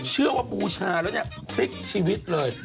เชื่อว่าปูชาแล้วเนี่ยคลิกชีวิตเลย